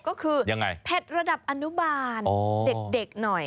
ก็คือยังไงเผ็ดระดับอนุบาลเด็กหน่อย